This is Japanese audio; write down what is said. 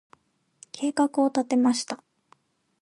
計画を立てました。